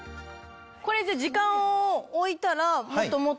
これって時間を置いたらもっともっと。